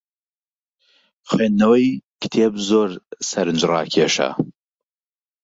خوێندنەوەی کتێب زۆر سەرنجڕاکێشە.